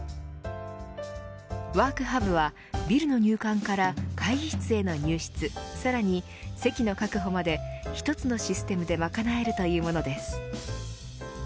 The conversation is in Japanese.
ｗｏｒｋｈｕｂはビルの入館から会議室への入室、さらに席の確保まで一つのシステムで賄えるというものです。